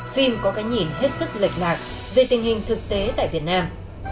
phim có cái nhìn hết sức lệch lạc về tình hình thực tế tại việt nam